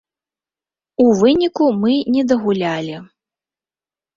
У выніку мы не дагулялі.